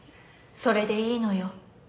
それでいいのよ。